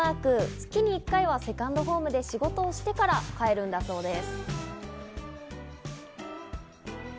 月に一回はセカンドホームで仕事をしてから帰るんだそうです。